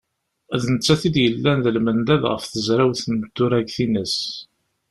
D nettat i d-yellan d lmendad ɣef tezrawt n turagt-ines.